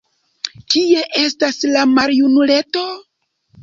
Kie estas la maljunuleto?